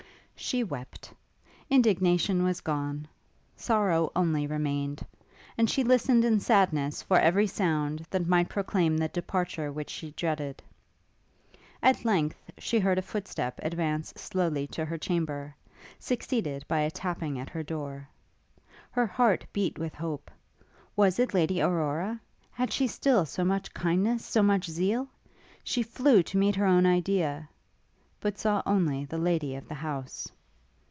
She wept. Indignation was gone: sorrow only remained; and she listened in sadness for every sound that might proclaim the departure which she dreaded. At length, she heard a footstep advance slowly to her chamber, succeeded by a tapping at her door. Her heart beat with hope. Was it Lady Aurora? had she still so much kindness, so much zeal? She flew to meet her own idea but saw only the lady of the house.